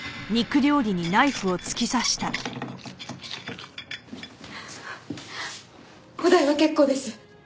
お代は結構です。